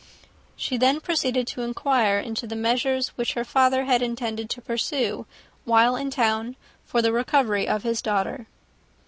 She then proceeded to inquire into the measures which her father had intended to pursue, while in town, for the recovery of his daughter.